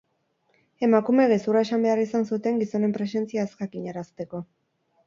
Emakumeek gezurra esan behar izan zuten gizonen presentzia ez jakinarazteko.